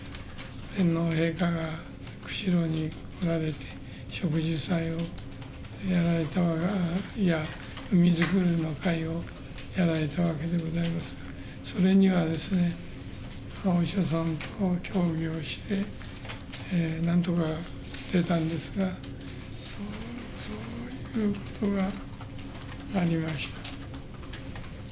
天皇陛下が釧路に来られて、植樹祭を、海づくりの会をやられたわけでございますが、それには、お医者さんと協議をして、なんとか出たんですが、そういうことがありました。